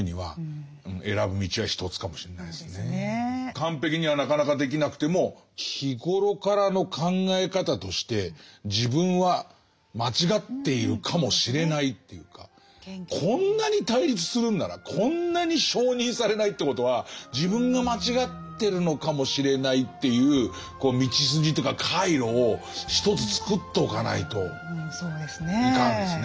完璧にはなかなかできなくても日ごろからの考え方として自分は間違っているかもしれないというかこんなに対立するんならこんなに承認されないということは自分が間違ってるのかもしれないという道筋というか回路を一つ作っておかないといかんですね。